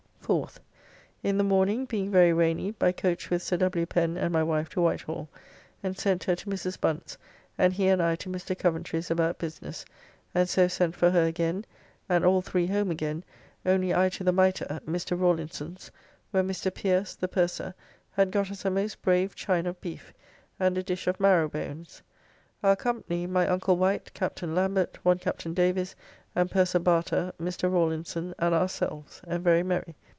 4th. In the morning, being very rainy, by coach with Sir W. Pen and my wife to Whitehall, and sent her to Mrs. Bunt's, and he and I to Mr. Coventry's about business, and so sent for her again, and all three home again, only I to the Mitre (Mr. Rawlinson's), where Mr. Pierce, the Purser, had got us a most brave chine of beef, and a dish of marrowbones. Our company my uncle Wight, Captain Lambert, one Captain Davies, and purser Barter, Mr. Rawlinson, and ourselves; and very merry.